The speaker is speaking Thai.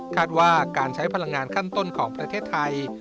ว่าการใช้พลังงานขั้นต้นของประเทศไทย